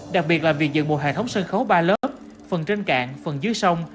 đặc biệt là việc dựng một hệ thống sân khấu ba lớp phần trên cạn phần dưới sông